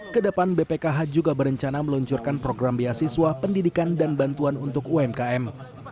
kedepan bpkh juga berencana meluncurkan program beasiswa pendidikan dan bantuan untuk umkm